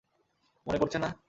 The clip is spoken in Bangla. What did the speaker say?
মনে পড়ছে না?